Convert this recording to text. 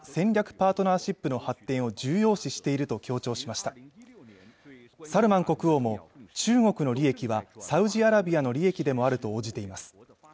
パートナーシップの発展を重要視していると強調しましたサルマン国王も中国の利益はサウジアラビアの利益でもあると応じています